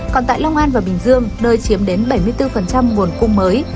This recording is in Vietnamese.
còn tại long an và bình dương nơi chiếm đến bảy mươi bốn nguồn cung mới